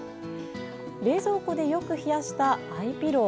冷蔵庫でよく冷やしたアイピロー。